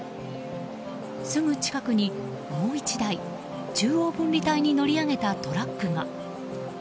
すぐ近くにもう１台中央分離帯に乗り上げたトラックが。